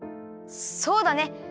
そうだね。